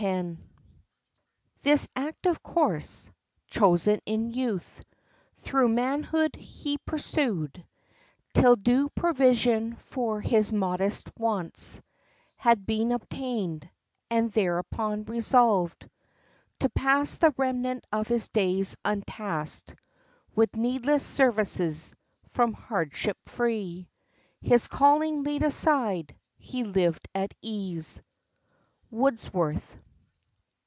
——"This active course, Chosen in youth, through manhood he pursued, Till due provision for his modest wants Had been obtained; and, thereupon, resolved To pass the remnant of his days untasked With needless services, from hardship free, His calling laid aside, he lived at ease." —WORDSWORTH.